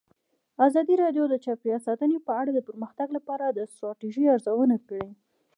ازادي راډیو د چاپیریال ساتنه په اړه د پرمختګ لپاره د ستراتیژۍ ارزونه کړې.